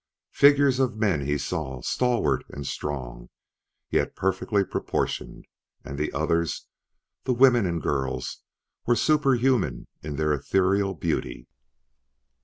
Figures of men he saw, stalwart and strong, yet perfectly proportioned; and the others the women and girls were superhuman in their ethereal beauty.